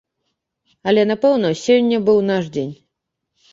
Але, напэўна, сёння быў наш дзень.